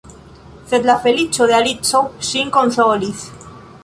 Sed la feliĉo de Alico ŝin konsolis.